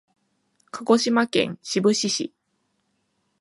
鹿児島県志布志市